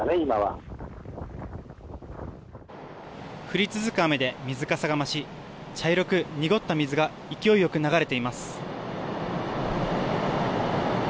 降り続く雨で水かさが増し茶色く濁った水が勢いよく流れています。